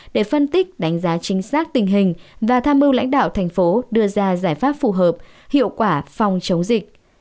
để phân tích đánh giá chính xác tình hình và tham mưu lãnh đạo thành phố đưa ra giải pháp phù hợp hiệu quả phòng chống dịch